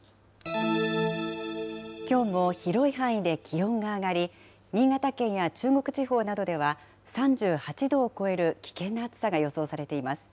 きょうも広い範囲で気温が上がり、新潟県や中国地方などでは、３８度を超える危険な暑さが予想されています。